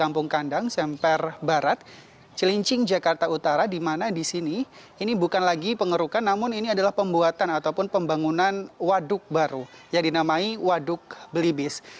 kampung kandang semper barat cilincing jakarta utara di mana di sini ini bukan lagi pengerukan namun ini adalah pembuatan ataupun pembangunan waduk baru yang dinamai waduk belibis